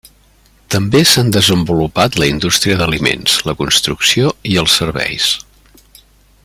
També s'han desenvolupat la indústria d'aliments, la construcció i els serveis.